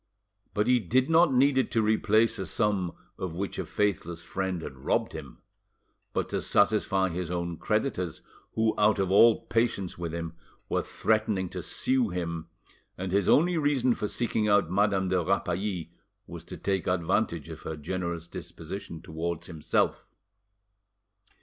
But he did not need it to replace a sum of which a faithless friend had robbed him, but to satisfy his own creditors, who, out of all patience with him, were threatening to sue him, and his only reason for seeking out Madame de Rapally was to take advantage of her generous disposition towards himself.